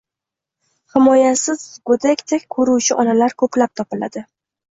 himoyasiz go‘dakdek ko‘ruvchi onalar ko‘plab topiladi.